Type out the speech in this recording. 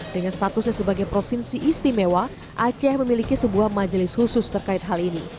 dengan statusnya sebagai provinsi istimewa aceh memiliki sebuah majelis khusus terkait hal ini